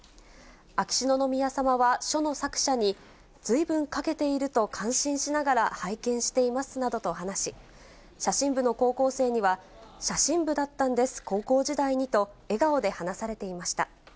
秋篠宮さまは書の作者に、ずいぶん書けていると感心しながら拝見していますなどと話し、写真部の高校生には、写真部だったんです、高校時代にと、笑顔で話されていました。